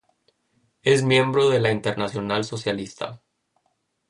Es miembro de la Internacional Socialista.